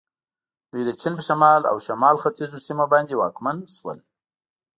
دوی د چین په شمال او شمال ختیځو سیمو باندې واکمن شول.